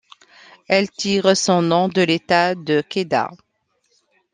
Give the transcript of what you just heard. Elle tire son nom de l'état de Kedah.